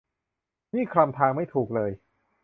นี่คลำทางไม่ถูกเลย